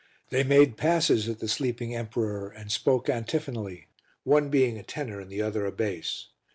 They made passes at the sleeping emperor and spoke antiphonally, one being a tenor and the other a bass.